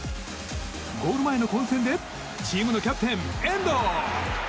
ゴール前の混戦でチームのキャプテン、遠藤。